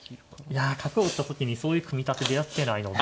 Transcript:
いや角を打った時にそういう組み立てでやってないので。